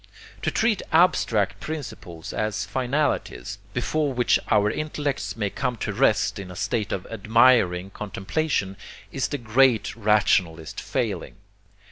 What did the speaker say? To treat abstract principles as finalities, before which our intellects may come to rest in a state of admiring contemplation, is the great rationalist failing.